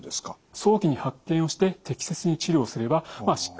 早期に発見をして適切に治療すればしっかりと治る病気です。